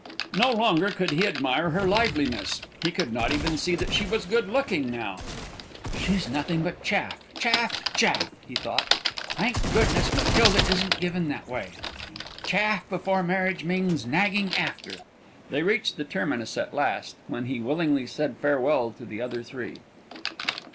No longer could he admire her liveliness; he could not even see that she was good looking now. "She's nothing but chaff, chaff, chaff!" he thought. "Thank goodness, Matilda isn't given that way. Chaff before marriage means nagging after!" They reached the terminus at last, when he willingly said farewell to the other three.